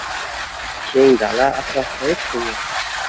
Keng dala, atrofda hech kim yoʻq.